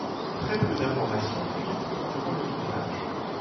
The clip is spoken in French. Très peu d'informations filtrent durant le tournage.